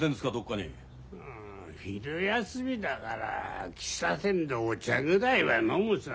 昼休みだから喫茶店でお茶ぐらいは飲むさ。